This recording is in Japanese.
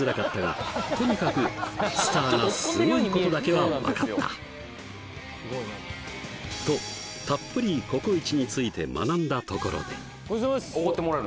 とにかくとたっぷりココイチについて学んだところであっ